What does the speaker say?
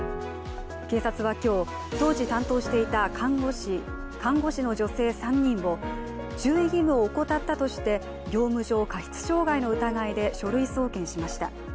警察は今日、当時担当していた看護師の女性３人を注意義務を怠ったとして、業務上過失傷害の疑いで書類送検しました。